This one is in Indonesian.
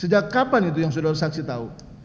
sejak kapan itu yang saudara saksi tahu